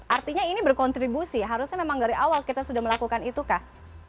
artinya ini berkontribusi harusnya memang dari awal kita sudah melakukan itu kah